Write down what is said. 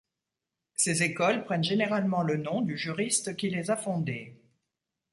Ces écoles prennent généralement le nom du juriste qui les a fondées.